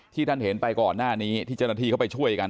ที่ท่านเห็นไปก่อนหน้านี้ที่เจรถีเขาไปช่วยกัน